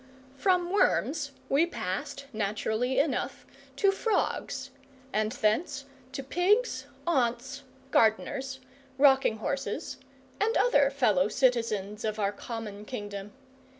From worms we passed, naturally enough, to frogs, and thence to pigs, aunts, gardeners, rocking horses, and other fellow citizens of our common kingdom.